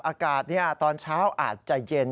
อากาศตอนเช้าอาจจะเย็น